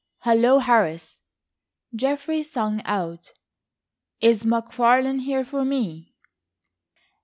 "Hullo, Harris," Geoffrey sung out. "Is McFarlane here for me?"